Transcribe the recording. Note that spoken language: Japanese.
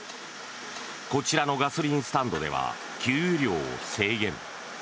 こちらのガソリンスタンドでは給油量を制限。